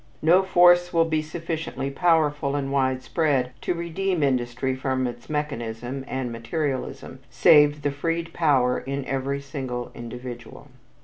No force will be sufficiently powerful and widespread to redeem industry from its mechanism and materialism save the freed power in every single individual.